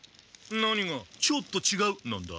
何が「ちょっとちがう」なんだ？